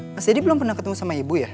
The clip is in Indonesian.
mas jadi belum pernah ketemu sama ibu ya